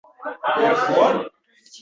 Buni ham bostiradi hali..